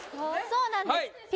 そうなんです